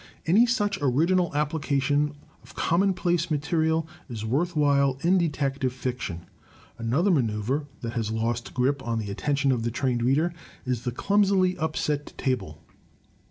Any such original application of commonplace material is worth while in detective fiction. Another manoeuvre that has lost its grip on the attention of the trained reader, is the clumsily upset table.